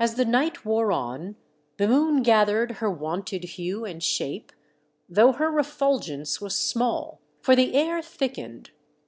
As the night wore on the moon gathered her wonted hue and shape, though her refulgence was small, for the air thickened.